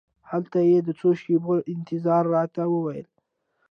هلته یې د څو شېبو انتظار راته وویل.